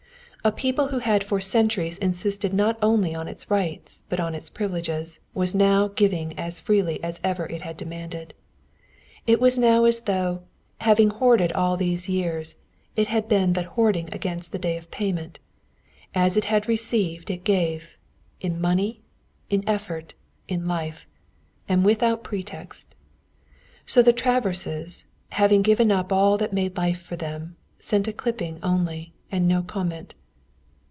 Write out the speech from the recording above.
A people who had for centuries insisted not only on its rights but on its privileges was now giving as freely as ever it had demanded. It was as though, having hoarded all those years, it had but been hoarding against the day of payment. As it had received it gave in money, in effort, in life. And without pretext. So the Traverses, having given up all that had made life for them, sent a clipping only, and no comment.